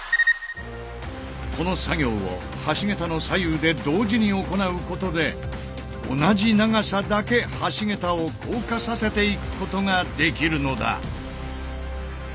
この作業を橋桁の左右で同時に行うことで同じ長さだけ橋桁を降下させていくことができるのだ。